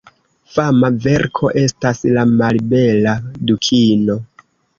Fama verko estas "La malbela dukino".